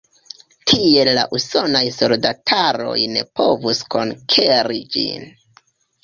Tiel la usonaj soldataroj ne povus konkeri ĝin.